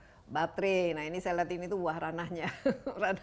jemput kita sampe abdurrahman intellectual